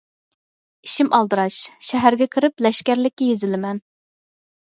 ئىشىم ئالدىراش، شەھەرگە كىرىپ لەشكەرلىككە يېزىلىمەن.